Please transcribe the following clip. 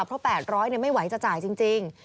เพราะ๘๐๐ไม่ไหวจะจ่ายจริง